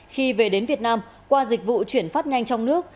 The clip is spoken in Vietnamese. khi về đến việt nam qua dịch vụ chuyển phát nhanh trong nước